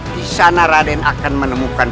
disana raden akan menemukan